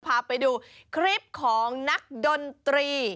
พาไปดูคลิปของนักดนตรี